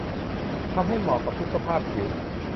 ทำให้เหมาะกับทุกสภาพผิว